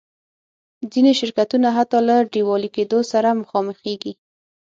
ځینې شرکتونه حتی له ډیوالي کېدو سره مخامخېږي.